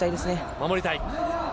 守りたい。